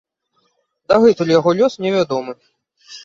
Дагэтуль яго лёс невядомы.